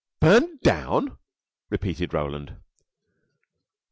"Burned down!" repeated Roland.